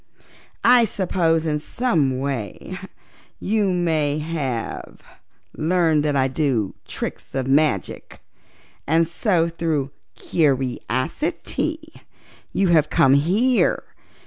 I suppose in some way you have learned that I do tricks of magic, and so through curiosity you have come here.